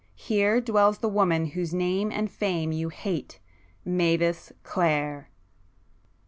—here dwells the woman whose name and fame you hate,—Mavis Clare!"